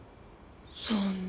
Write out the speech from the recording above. そんな。